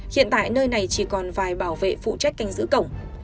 hiện tại nơi này chỉ còn vài bảo vệ phụ trách canh giữ cổng